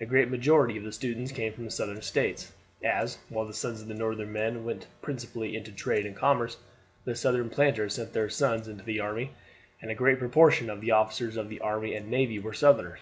A great majority of the students came from the Southern States, as while the sons of the Northern men went principally into trade and commerce, the Southern planters sent their sons into the army, and a great proportion of the officers of the army and navy were Southerners.